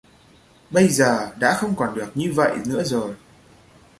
Bây giờ đã không còn được như vậy nữa rồi